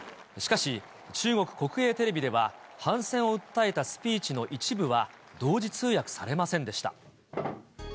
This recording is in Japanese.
しかし中国国営テレビでは、反戦を訴えたスピーチの一部は同時通訳されませんでした。